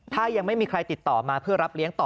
ถ้ายังไม่มีใครติดต่อมาเพื่อรับเลี้ยงต่อ